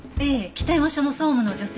北山署の総務の女性。